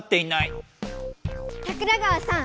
桜川さん